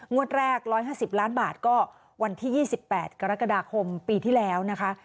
งวดแรก๑๕๐ล้านบาทก็วันที่๒๘กรกฎาคมปีที่แล้วนะคะ